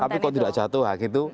tapi kok tidak jatuh gitu